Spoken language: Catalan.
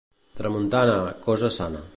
Tramuntana, cosa sana.